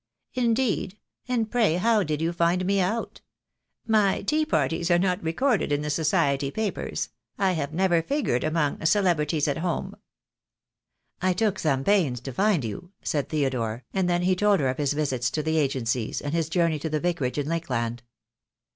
"Indeed, and pray how did you find me out? My tea parties are not recorded in the Society papers, I have never figured among 'Celebrities at Home.' " "I took some pains to find you," said Theodore, and then he told her of his visits to the agencies, and his journey to the Vicarage in Lakeland.